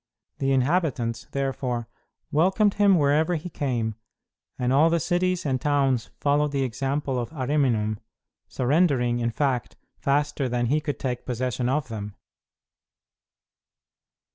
The inhabitants, therefore, welcomed him wherever he came, and all the cities and towns followed the example of Ariminum, surrendering, in fact, faster than he could take possession of them.